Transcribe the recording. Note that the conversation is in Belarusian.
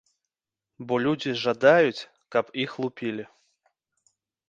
Бо людзі жадаюць, каб іх лупілі.